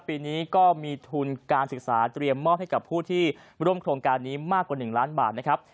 ปีนี้ก็มีทุนการศึกษาเตรียมมอบให้กับผู้ที่ร่วมโครงการนี้มากกว่า๑ล้านบาทนะครับ